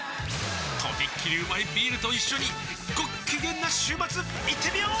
とびっきりうまいビールと一緒にごっきげんな週末いってみよー！